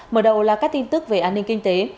mở đầu là các tin tức về an ninh kinh tế